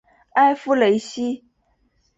埃夫雷西。